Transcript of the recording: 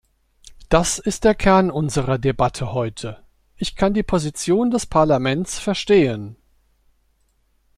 Das ist der Kern unserer Debatte heute. Ich kann die Position des Parlaments verstehen.